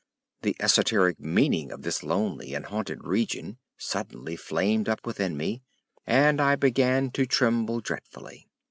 The esoteric meaning of this lonely and haunted region suddenly flamed up within me, and I began to tremble dreadfully.